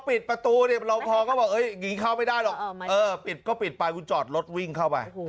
เออปิดก็ปิดไปกูจอดรถวิ่งเข้าไป